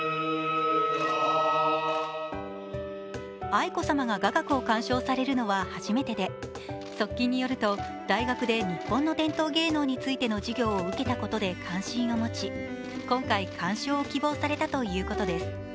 愛子さまが雅楽を鑑賞されるのは初めてで、側近によると大学で日本の伝統芸能についての授業を受けたことで関心を持ち、今回、鑑賞を希望されたということです。